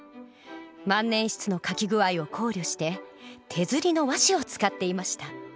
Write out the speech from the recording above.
万年筆の書き具合を考慮して手刷りの和紙を使っていました。